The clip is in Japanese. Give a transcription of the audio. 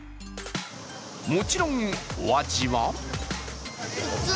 もちろん、お味は？